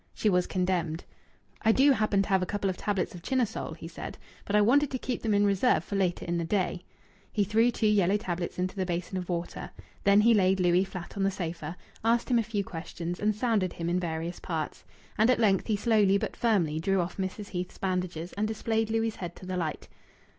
She was condemned. "I do happen to have a couple of tablets of Chinosol," he said, "but I wanted to keep them in reserve for later in the day." He threw two yellow tablets into the basin of water. Then he laid Louis flat on the sofa, asked him a few questions, and sounded him in various parts. And at length he slowly, but firmly, drew off Mrs. Heath's bandages, and displayed Louis' head to the light.